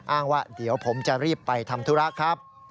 อ้างว่าเดี๋ยวผมจะรีบไปทำธุระครับ